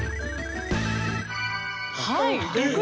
はい。